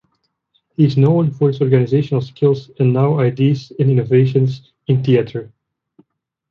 He is known for his organisational skills and new ideas and innovations in theatre.